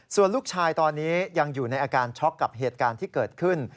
ส่วนลูกชายตอนนี้ยังอยู่ในอาการช็อกกับเหตุการณ์ที่เกิดขึ้น